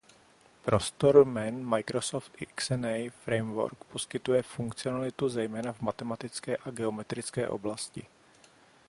Prostor jmen Microsoft.Xna.Framework poskytuje funkcionalitu zejména v matematické a geometrické oblasti.